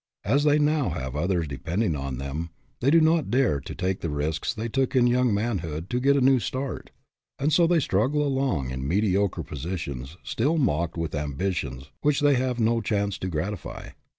As they now have others depending on them, they do not dare to take the risks which they took in young manhood to get a new start, and so they struggle along in mediocre positions, still mocked with ambitions which they have no chance to gratify.